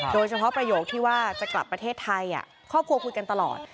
ประโยคที่ว่าจะกลับประเทศไทยครอบครัวคุยกันตลอด